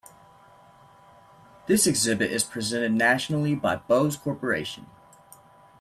This exhibit is presented nationally by Bose Corporation.